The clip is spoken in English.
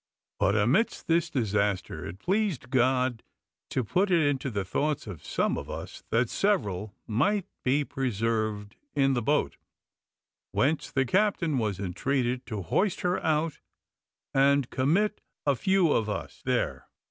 But amidst this disaster, it pleased God to put it into the thoughts of some of us, that several might be preserved in the boat, whence the captain was entreated to hoist her out, and commit a few of us there.